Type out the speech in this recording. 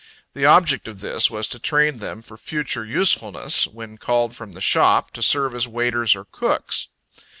The object of this was to train them for future usefulness, when called from the shop, to serve as waiters or cooks.